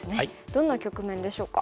どんな局面でしょうか。